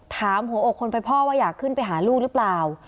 หัวอกคนเป็นพ่อว่าอยากขึ้นไปหาลูกหรือเปล่า